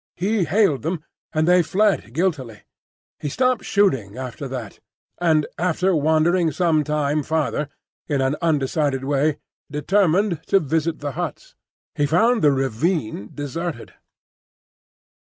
He hailed them, and they fled guiltily. He stopped shouting after that, and after wandering some time farther in an undecided way, determined to visit the huts. He found the ravine deserted.